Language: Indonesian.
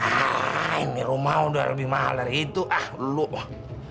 haa ini rumah udah lebih mahal dari itu ah leluh